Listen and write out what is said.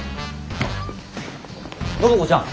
暢子ちゃん